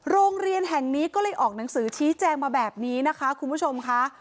โรงเรียนแห่งนี้ก็เลยออกหนังสือชี้แจงมาแบบนี้นะคะคุณผู้ชมค่ะ